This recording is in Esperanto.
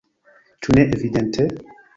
Ĉu ne evidente?